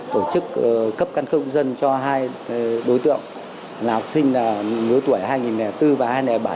tổ chức cấp căn cước công dân cho hai đối tượng là học sinh lứa tuổi hai nghìn bốn và hai nghìn bảy